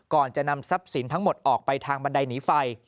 ก่อนจะนำทรัพย์สินทั้งหมดออกไปทางบันไดหนีไฟ